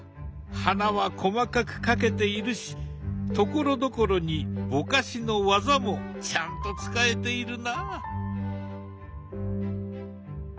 花は細かく描けているしところどころにぼかしの技もちゃんと使えているな。